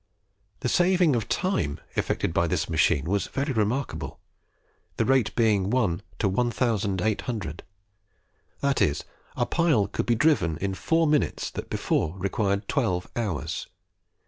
The saving of time effected by this machine was very remarkable, the ratio being as 1 to 1800; that is, a pile could be driven in four minutes that before required twelve hours.